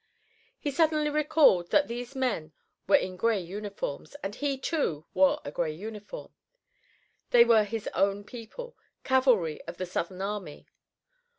He suddenly recalled that these men were in gray uniforms, and he, too, wore a gray uniform. They were his own people, cavalry of the Southern army.